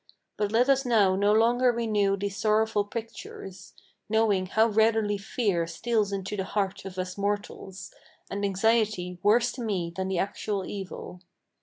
But let us now no longer renew these sorrowful pictures Knowing how readily fear steals into the heart of us mortals, And anxiety, worse to me than the actual evil.